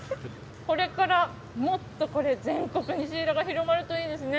これからもっとこれ、全国にシイラが広まるといいですね。